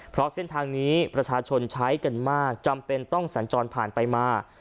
เพราะเส้นทางนี้ประชาชนใช้กันมากจำเป็นต้องสัญจรผ่านไปมา